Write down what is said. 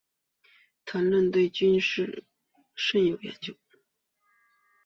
谭纶对军事甚有研究。